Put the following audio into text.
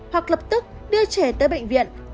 hoặc lập tức đưa trẻ tới bệnh viện cơ sở y tế gần nhất